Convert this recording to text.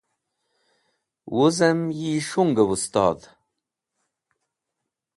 Wuzem yi S̃hunge Wustodh